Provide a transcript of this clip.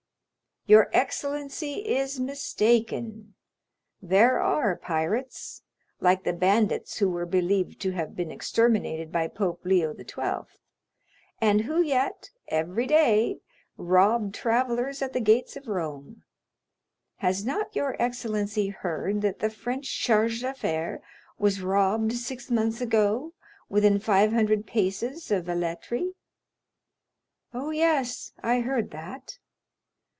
"Your excellency is mistaken; there are pirates, like the bandits who were believed to have been exterminated by Pope Leo XII., and who yet, every day, rob travellers at the gates of Rome. Has not your excellency heard that the French chargé d'affaires was robbed six months ago within five hundred paces of Velletri?" "Oh, yes, I heard that."